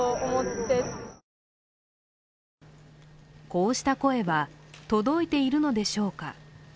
こうした声は届いているのでしょうか。